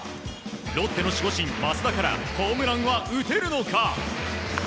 ロッテの守護神、益田からホームランは打てるのか？